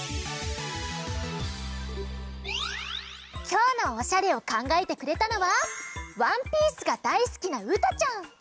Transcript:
きょうのおしゃれをかんがえてくれたのはワンピースがだいすきなうたちゃん！